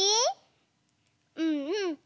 うんうん。